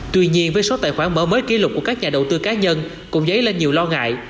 tuy nhiên với số tài khoản mở mới kỷ lục của các nhà đầu tư cá nhân cũng dấy lên nhiều lo ngại